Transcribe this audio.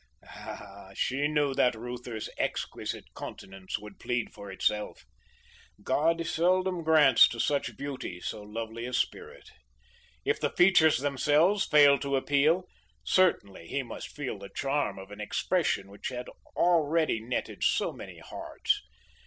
Ah, she knew that Reuther's exquisite countenance would plead for itself! God seldom grants to such beauty, so lovely a spirit. If the features themselves failed to appeal, certainly he must feel the charm of an expression which had already netted so many hearts.